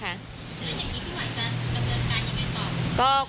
อย่างนี้พี่หวัยจะเงินการยังไงต่อ